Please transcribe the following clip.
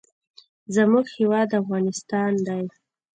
زموږ هیواد افغانستان دی.